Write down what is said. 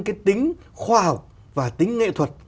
cái tính khoa học và tính nghệ thuật